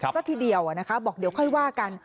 ซะทีเดียวนะคะบอกเดี๋ยวค่อยว่ากัน